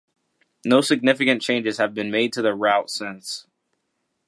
No significant changes have been made to the route since.